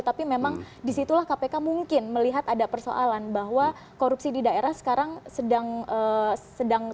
tapi memang disitulah kpk mungkin melihat ada persoalan bahwa korupsi di daerah sekarang sedang